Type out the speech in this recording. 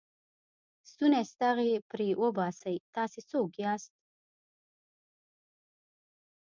ستونی ستغ یې پرې وباسئ، تاسې څوک یاست؟